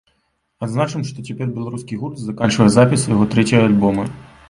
Адзначым, што цяпер беларускі гурт заканчвае запіс свайго трэцяга альбома.